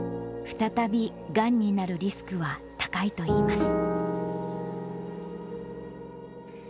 再びがんになるリスクは高いといいます。